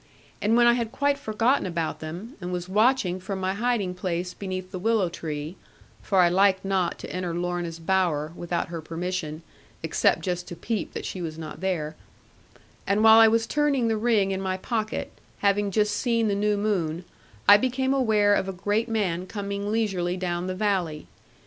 And when I had quite forgotten about them, and was watching from my hiding place beneath the willow tree (for I liked not to enter Lorna's bower, without her permission; except just to peep that she was not there), and while I was turning the ring in my pocket, having just seen the new moon, I became aware of a great man coming eisurely down the valley.